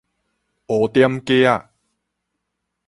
烏點格仔